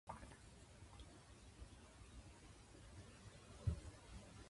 涅槃は苦しみのない安穏な理想郷であるということ。